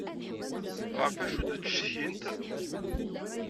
Ɣef wacu d-ttcetkint?